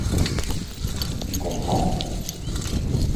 Tu comprends?